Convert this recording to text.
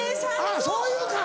あっそういうのか。